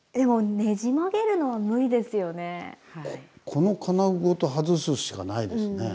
この金具ごと外すしかないですね。